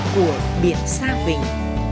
của biển xa huỳnh